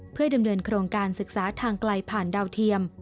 เพื่อดำเนินโครงการศึกษาทางไกลผ่านดาวเทียม